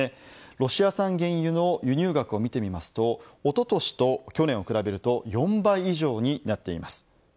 ロシア産原油の輸入額を見てみるとおととしと去年を比べると４倍以上になっています。